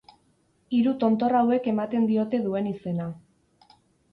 Hiru tontor hauek ematen diote duen izena.